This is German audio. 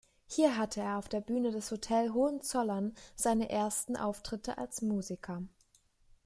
Hier hatte er auf der Bühne des Hotel Hohenzollern seine ersten Auftritte als Musiker.